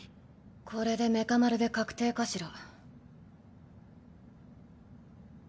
これでメカ丸で確定かしら。